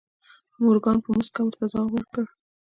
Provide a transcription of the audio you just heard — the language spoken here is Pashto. مورګان په موسکا ورته ځواب ورکړ